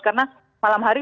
karena malam hari